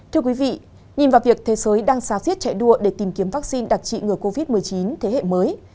thưa quý vị nhìn vào việc thế giới đang xà xiết chạy đua để tìm kiếm vaccine đặc trị ngừa covid một mươi chín thế hệ mới